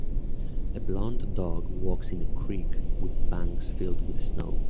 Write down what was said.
A blond dog walks in a creek with banks filled with snow.